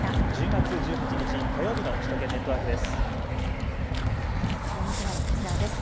１０月１８日、火曜日の首都圏ネットワークです。